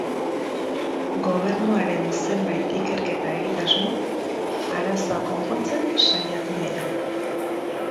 Gobernuaren zenbait ikerketa eta egitasmo, arazoa konpontzen saiatu dira.